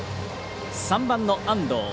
３番の安藤。